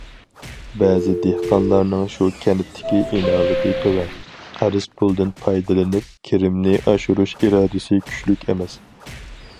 بەزى دېھقانلارنىڭ شۇ كەنتتىكى ئىناۋىتى تۆۋەن، قەرز پۇلدىن پايدىلىنىپ كىرىمنى ئاشۇرۇش ئىرادىسى كۈچلۈك ئەمەس.